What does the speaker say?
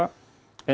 ntb itu memperbaiki